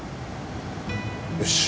よし！